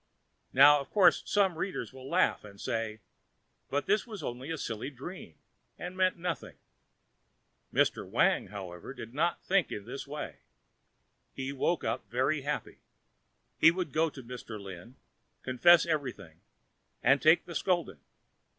Now, of course, some readers will laugh and say, "But this was only a silly dream, and meant nothing." Mr. Wang, however, did not think in this way. He woke up very happy. He would go to Mr. Lin, confess everything and take the scolding.